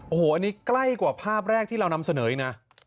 โอ้โหอันนี้ใกล้กว่าภาพแรกที่เรานำเสนออีกนะ